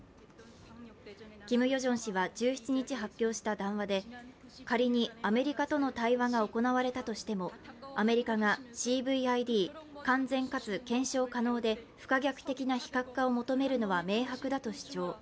キム・ヨジョン氏は１７日発表した談話で、仮にアメリカとの対話が行われたとしても、アメリカがＣＯＶＩＤ＝完全かつ検証可能で不可逆的な非核化を求めるのは明白だと主張。